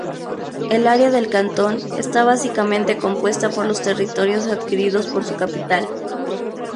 El área del cantón está básicamente compuesta por los territorios adquiridos por su capital.